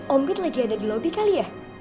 ompit lagi ada di lobby kali ya